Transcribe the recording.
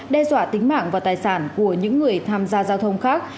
đe dọa tính mạng và tài sản của những người tham gia giao thông khác